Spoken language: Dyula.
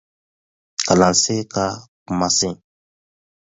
Kalansen ka kumasen